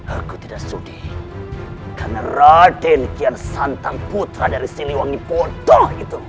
aku tidak sudi karena raden kian santang putra dari siliwangi bodoh itu